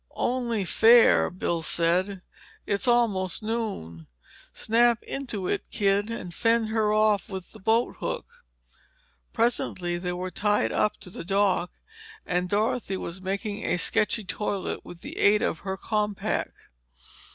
"Only fair," Bill said. "It's almost noon. Snap into it, kid, and fend her off with the boathook." Presently they were tied up to the dock and Dorothy was making a sketchy toilet with the aid of her compact.